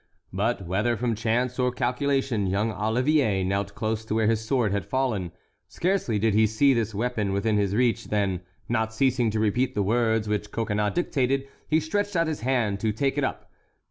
But whether from chance or calculation, young Olivier knelt close to where his sword had fallen. Scarcely did he see this weapon within his reach than, not ceasing to repeat the words which Coconnas dictated, he stretched out his hand to take it up.